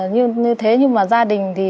như thế nhưng mà gia đình thì